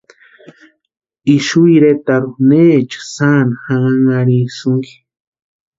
¿Ixu iretarhu neecha sáni janhanharhinhasïnki?